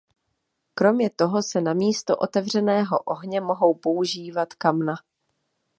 Kromě toho se namísto otevřeného ohně mohou používat kamna.